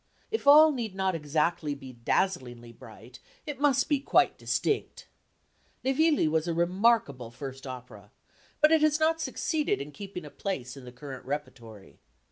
If all need not exactly be dazzlingly bright it must be quite distinct. Le Villi was a remarkable first opera, but it has not succeeded in keeping a place in the current repertory.